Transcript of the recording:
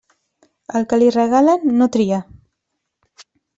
Al que li regalen, no tria.